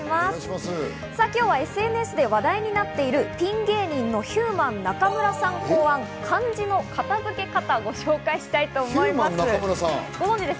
今日はＳＮＳで話題になっているピン芸人のヒューマン中村さん考案、漢字の片付け方をご紹介します。